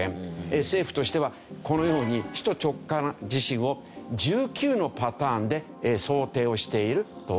政府としてはこのように首都直下地震を１９のパターンで想定をしているというわけですね。